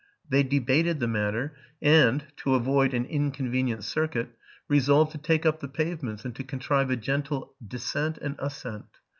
'They debated the matter, and, to avoid an inconvenient circuit, resolved to take up the pavements, a and to contrive a gentle descent and ascent.